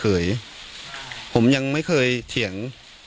การแก้เคล็ดบางอย่างแค่นั้นเอง